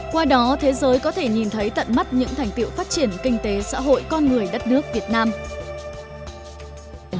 qua đó thế giới có thể nhìn thấy tận mắt những thành tiệu phát triển kinh tế xã hội con người đất nước việt nam